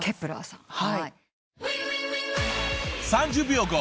［３０秒後。